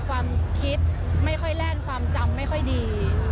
ความคิดไม่ค่อยแล่นความจำไม่ค่อยดี